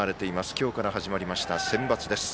今日から始まりましたセンバツです。